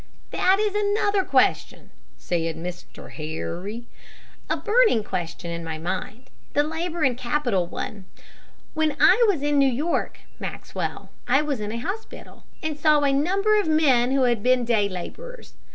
"That is another question," said Mr. Harry, "a burning question in my mind the labor and capital one. When I was in New York, Maxwell, I was in a hospital, and saw a number of men who had been day laborers.